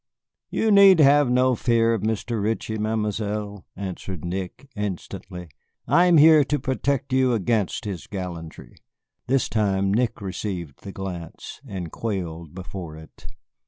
"You need have no fear of Mr. Ritchie, Mademoiselle," answered Nick, instantly. "I am here to protect you against his gallantry." This time Nick received the glance, and quailed before it.